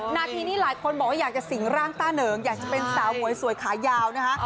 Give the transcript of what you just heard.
นาทีนี้หลายคนบอกว่าอยากจะสิงร่างต้าเหนิงอยากจะเป็นสาวหวยสวยขายาวนะคะ